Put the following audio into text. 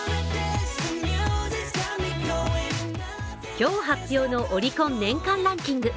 今日発表のオリコン年間ランキング。